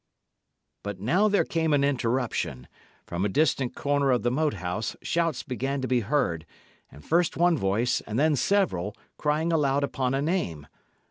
But now there came an interruption. From a distant corner of the Moat House shouts began to be heard, and first one voice, and then several, crying aloud upon a name.